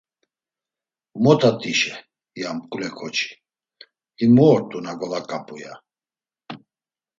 “Mot̆at̆işe!” ya mǩule ǩoçi; “Him mu ort̆u na golaǩap̌u?” ya.